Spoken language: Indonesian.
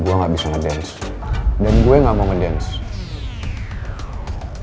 gue gak bisa ngedance dan gue gak mau ngedance